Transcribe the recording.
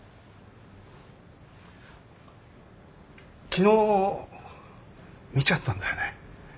昨日見ちゃったんだよね。